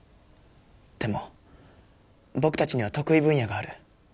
でも僕たちには得意分野がある。